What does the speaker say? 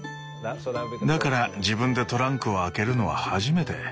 だから自分でトランクを開けるのは初めて。